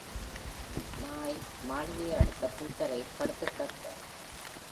நாய் மாளிகையை அடுத்த புல்தரையில் படுத்துக் கிடக்கிறது.